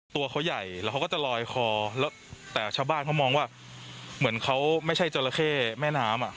ตัวเขาใหญ่แล้วเขาก็จะลอยคอแล้วแต่ชาวบ้านเขามองว่าเหมือนเขาไม่ใช่จราเข้แม่น้ำอ่ะ